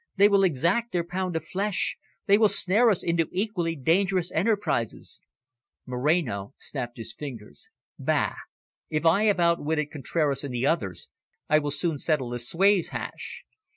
They will exact their pound of flesh. They will snare us into equally dangerous enterprises." Moreno snapped his fingers. "Bah! If I have outwitted Contraras and the others, I will soon settle Lucue's hash.